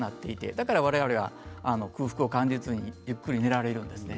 だから我々は空腹を感じずにじっくりと寝られるんですね。